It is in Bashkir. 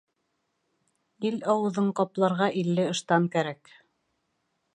Ил ауыҙын ҡапларға илле ыштан кәрәк.